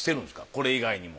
これ以外にも。